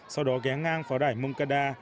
sau đó ghé ngang pháo đải moncada